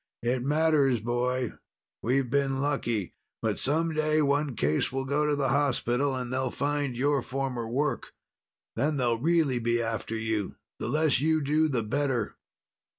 "It matters, boy. We've been lucky, but some day one case will go to the hospital and they'll find your former work. Then they'll really be after you. The less you do the better."